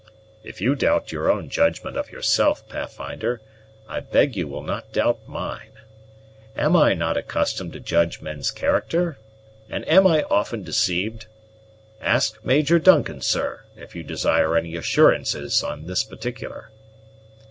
"If you doubt your own judgment of yourself, Pathfinder, I beg you will not doubt mine. Am I not accustomed to judge men's character? and am I often deceived? Ask Major Duncan, sir, if you desire any assurances in this particular."